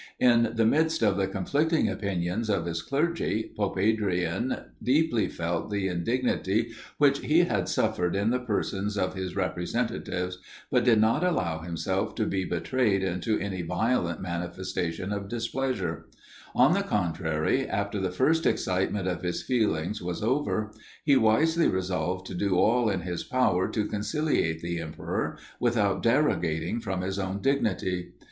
In the midst of the conflicting opinions of his clergy, Pope Adrian deeply felt the indignity which he had suffered in the persons of his representatives, but did not allow himself to be betrayed into any violent manifestation of displeasure; on the contrary, after the first excitement of his feelings was over, he wisely resolved to do all in his power to conciliate the emperor, without derogating from his own dignity.